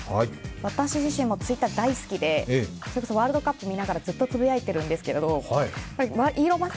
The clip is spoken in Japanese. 私自身もＴｗｉｔｔｅｒ大好きで、それこそワールドカップ見ながらずっとつぶやいているんですけどイーロン・マスク